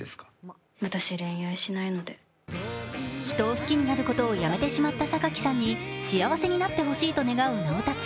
人を好きになることをやめてしまった榊さんに幸せになってほしいと願う直達。